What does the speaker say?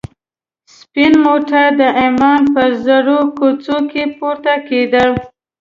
سپین موټر د عمان په زړو کوڅو کې پورته کېده.